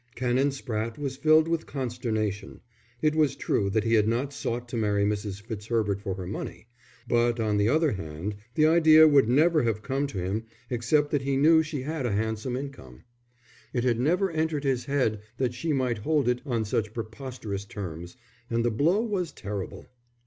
Canon Spratte was filled with consternation. It was true that he had not sought to marry Mrs. Fitzherbert for her money, but on the other hand the idea would never have come to him except that he knew she had a handsome income. It had never entered his head that she might hold it on such preposterous terms, and the blow was terrible.